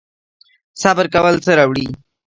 صبر کول څه راوړي؟